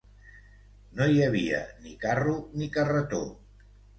No hi havia ni carro, ni carretó